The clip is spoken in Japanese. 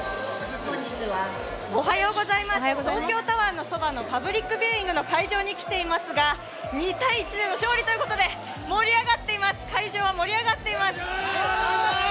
東京タワーのそばのパブリックビューイングの会場に来ていますが２−１での勝利ということで会場は盛り上がっています。